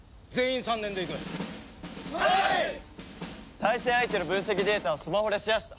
対戦相手の分析データをスマホでシェアした。